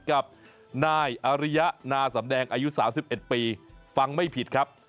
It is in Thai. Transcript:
กับนายอริยะนาสำแดงอายุ๓๑ปีฟังไม่ผิดครับ